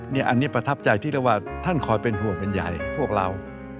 อันนี้ประทับใจที่เรียกว่าท่านคอยเป็นห่วงเป็นใหญ่พวกเรา